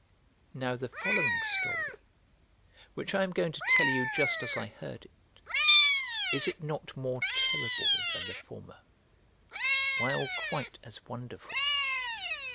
Now the following story, which I am going to tell you just as I heard it, is it not more terrible than the former, while quite as wonderful?